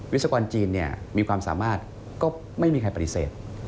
ศกรจีนมีความสามารถก็ไม่มีใครปฏิเสธ